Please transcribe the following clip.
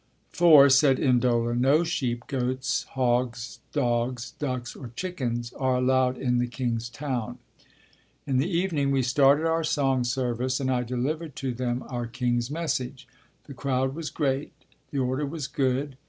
For, said N'Dola, no sheep, goats, hogs, dogs, ducks or chickens are allowed in the king's town. In the evening we started our song service and I delivered to them our King's message. The crowd was great. The order was good.